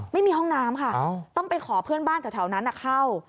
ไม่มีห้องน้ำค่ะต้องไปขอเพื่อนบ้านแถวนั้นเข้า